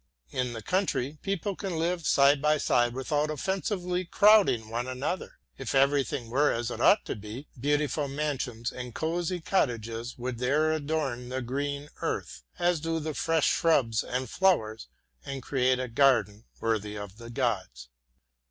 In the country, people can live side by side without offensively crowding one another. If everything were as it ought to be, beautiful mansions and cosy cottages would there adorn the green earth, as do the fresh shrubs and flowers, and create a garden worthy of the gods.